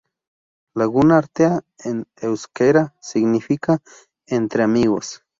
Lagun Artea, en euskera, significa "Entre Amigos".